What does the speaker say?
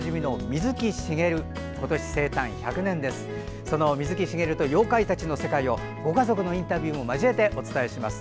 水木しげると妖怪たちの世界をご家族のインタビューも交えてお伝えします。